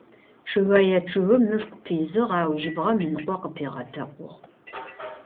Чъыгэе чъыгым мышкӏу пизыгъ, ау жьыбгъэм ыныкъо къыпигъэтэкъугъ.